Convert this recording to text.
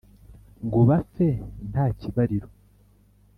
Ngo bapfe nta kibariro